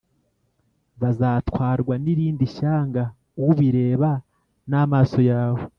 bazatwarwa n’irindi shyanga ubireba n’amaso yawe.